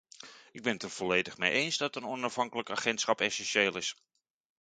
Ik ben het er volledig mee eens dat een onafhankelijk agentschap essentieel is.